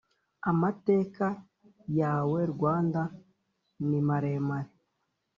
Amateka yawe Rwanda ni maremare